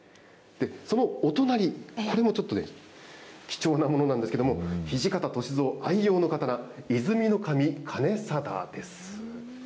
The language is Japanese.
そのお隣、これもちょっとね、貴重なものなんですけれども、土方歳三愛用の刀、和泉守兼定です。